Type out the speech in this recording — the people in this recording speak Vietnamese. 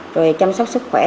rồi chăm sóc sức khỏe